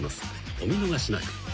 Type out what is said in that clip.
お見逃しなく］